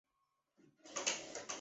再娶阿剌罕公主。